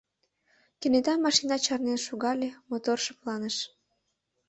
Кенета машина чарнен шогале, мотор шыпланыш.